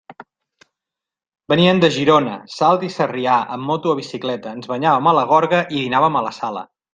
Venien de Girona, Salt i Sarrià amb moto o bicicleta, ens banyàvem a la gorga i dinàvem a la Sala.